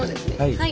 はい。